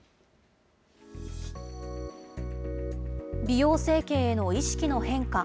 美容整形への意識の変化。